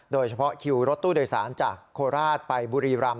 โดยเฉพาะคิวรถตู้โดยสารจากโคราชไปบุรีรำ